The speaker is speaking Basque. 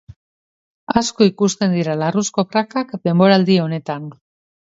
Asko ikusten dira larruzko prakak denboraldi honetan.